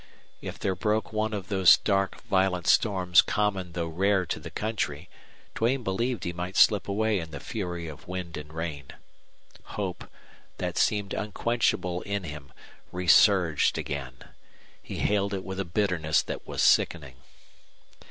If there broke one of those dark, violent storms common though rare to the country, Duane believed he might slip away in the fury of wind and rain. Hope, that seemed unquenchable in him, resurged again. He hailed it with a bitterness that was sickening.